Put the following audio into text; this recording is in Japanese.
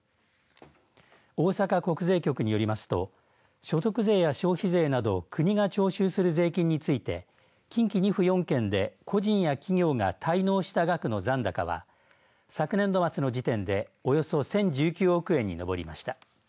大阪国税局によりますと所得税や消費税など国が徴収する税金について近畿２府４県で個人や企業が滞納した額の残高は昨年度末の時点でおよそ１０１９億円に上りました。